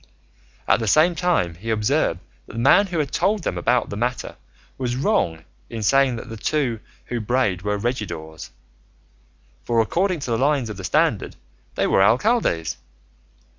At the same time he observed that the man who had told them about the matter was wrong in saying that the two who brayed were regidors, for according to the lines of the standard they were alcaldes.